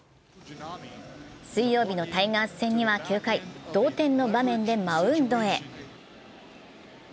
水曜日のタイガース戦には９回、同点の場面でマウンドへ。